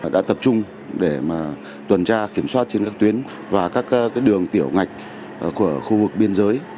đã tập trung để tuần tra kiểm soát trên các tuyến và các đường tiểu ngạch của khu vực biên giới